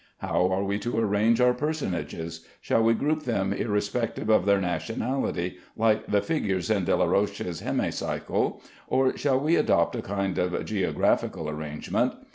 How are we to arrange our personages? Shall we group them irrespective of their nationality, like the figures in Delaroche's "Hemicycle"; or shall we adopt a kind of geographical arrangement?